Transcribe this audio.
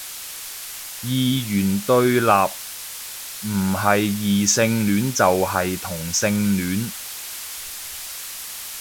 二元對立，唔係異性戀就係同性戀